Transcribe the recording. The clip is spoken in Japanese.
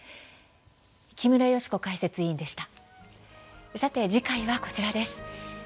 木村祥子解説委員でした。